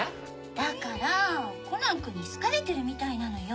だからコナンくんに好かれてるみたいなのよ